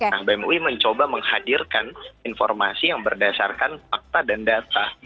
nah bem ui mencoba menghadirkan informasi yang berdasarkan fakta dan data